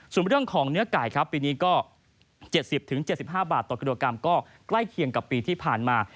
ส่วนเรื่องของเนื้อไก่ครับปีนี้ก็๗๐๗๕บาทต่อกิโลกรัมก็ใกล้เคียงกับปีที่ผ่านมา